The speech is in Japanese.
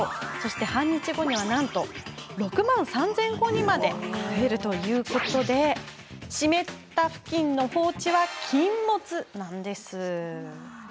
半日後にはなんと６万３０００個にまで。というわけで湿ったふきんの放置は禁物なんです。